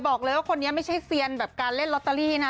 บอกเลยว่าคนนี้ไม่ใช่เซียนแบบการเล่นลอตเตอรี่นะ